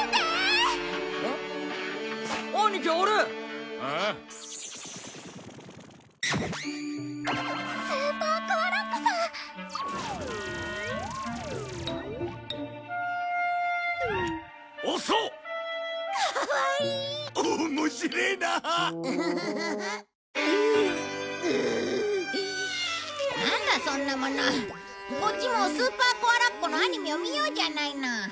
こっちも『スーパーコアラッコ』のアニメを見ようじゃないの。